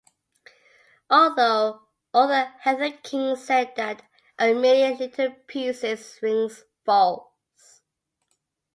Also, author Heather King said that "A Million Little Pieces" rings false".